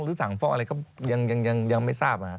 หรือสั่งฟ้องอะไรก็ยังไม่ทราบนะฮะ